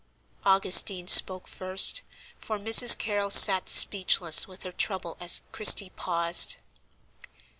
Augustine spoke first, for Mrs. Carrol sat speechless with her trouble as Christie paused.